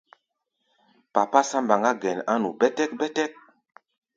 Papásá mbaŋá gɛn á nu bɛ́tɛ́k-bɛ́tɛ́k.